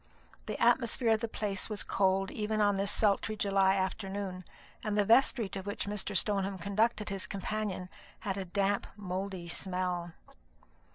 The atmosphere of the place was cold even on this sultry July afternoon, and the vestry to which Mr. Stoneham conducted his companion had a damp mouldy smell.